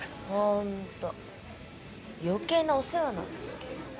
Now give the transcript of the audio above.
ホント余計なお世話なんですけど。